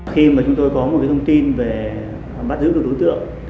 khi mà chúng tôi có một thông tin về bắt giữ được đối tượng